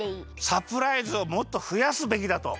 サプライズをもっとふやすべきだと。